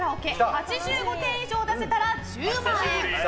８５点以上出せたら１０万円！